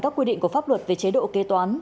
các quy định của pháp luật về chế độ kế toán